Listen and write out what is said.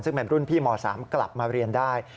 ซึ่งเป็นรุ่นพี่ม๓กลับมาเรียนได้